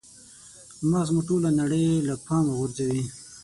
مغز مو ټوله نړۍ له پامه غورځوي.